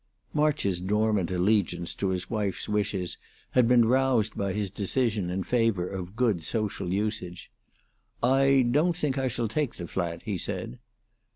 March's dormant allegiance to his wife's wishes had been roused by his decision in favor of good social usage. "I don't think I shall take the flat," he said.